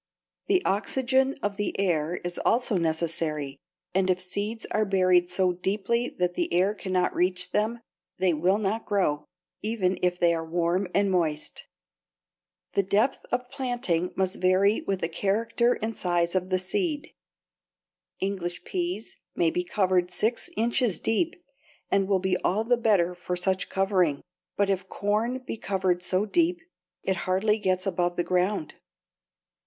The oxygen of the air is also necessary, and if seeds are buried so deeply that the air cannot reach them, they will not grow, even if they are warm and moist. [Illustration: FIG. 87. GATHERING AND SHIPPING CELERY] The depth of planting must vary with the character and size of the seed. English peas may be covered six inches deep and will be all the better for such covering, but if corn be covered so deep, it hardly gets above the ground.